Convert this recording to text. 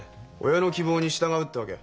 親の希望に従うってわけ？